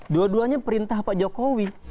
dua duanya perintah pak jokowi